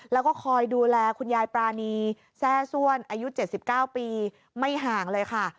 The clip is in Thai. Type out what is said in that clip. แล้วก็คอยดูแลคุณยายปรานีแนส่วนอายุเจ็ดสิบเก้าปีไม่ห่างเลยค่ะ